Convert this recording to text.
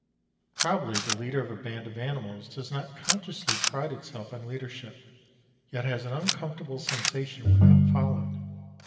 Probably the leader of a band of animals does not consciously pride itself on leadership, yet has an uncomfortable sensation when not followed.